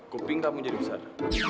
kuping kamu jadi besar